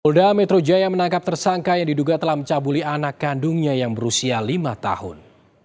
polda metro jaya menangkap tersangka yang diduga telah mencabuli anak kandungnya yang berusia lima tahun